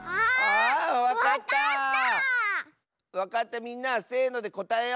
わかったみんなせのでこたえよう！